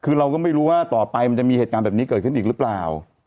คือเราก็ไม่รู้ว่าต่อไปมันจะมีเหตุการณ์แบบนี้เกิดขึ้นอีกหรือเปล่า